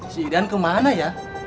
si idan kemana ya